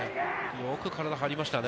よく体張りましたね。